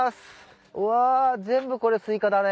うわ全部これすいかだね。